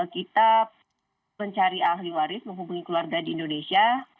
kita mencari ahli waris menghubungi keluarga di indonesia